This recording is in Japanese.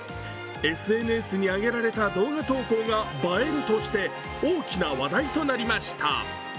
ＳＮＳに上げられた動画投稿が映えるとして、大きな話題となりました。